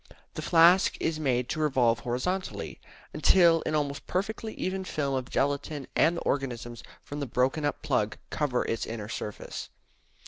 The flask is made to revolve horizontally until an almost perfectly even film of gelatine and the organisms from the broken up plug cover its inner surface.